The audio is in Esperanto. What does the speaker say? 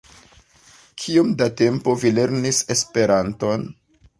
Kiom de tempo vi lernis Esperanton?